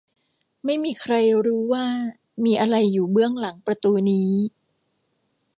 ไม่มีใครรู้ว่ามีอะไรอยู่เบื้องหลังประตูนี้